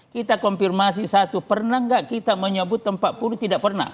kita konfirmasi satu pernah nggak kita menyebut empat puluh tidak pernah